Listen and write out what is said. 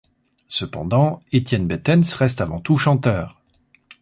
Cependant, Étienne Bettens reste avant tout chanteur.